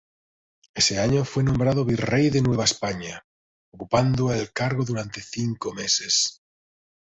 Ese año fue nombrado Virrey de Nueva España, ocupando el cargo durante cinco meses.